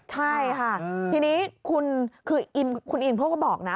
ใช่ค่ะทีนี้คุณอิ่มพวกเขาบอกนะ